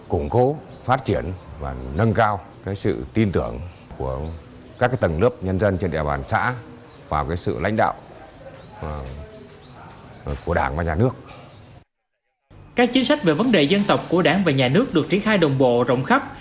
các chính sách về vấn đề dân tộc của đảng và nhà nước được triển khai đồng bộ rộng khắp